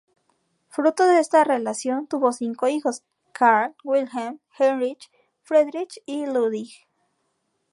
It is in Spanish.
Fruto de esa relación tuvo cinco hijos: Carl, Wilhelm, Heinrich, Friedrich y Ludwig.